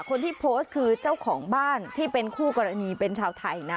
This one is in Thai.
คนที่โพสต์คือเจ้าของบ้านที่เป็นคู่กรณีเป็นชาวไทยนะ